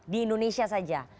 di indonesia saja